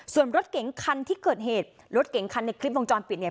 ส่วนรถเก๋งคันที่เกิดเหตุรถเก๋งคันในคลิปวงจรปิดเนี่ย